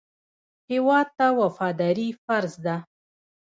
هېواد ته وفاداري فرض ده